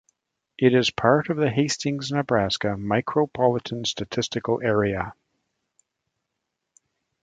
It is part of the Hastings, Nebraska Micropolitan Statistical Area.